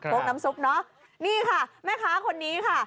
น้ำซุปเนอะนี่ค่ะแม่ค้าคนนี้ค่ะ